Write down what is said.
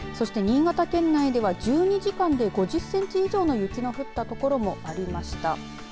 新潟県内では、１２時間で５０センチ前後の雪が降った所もありました。